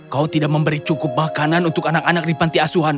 kau tidak memberi cukup makanan untuk anak anak di panti asuhan